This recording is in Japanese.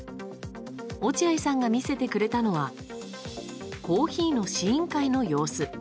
落合さんが見せてくれたのはコーヒーの試飲会の様子。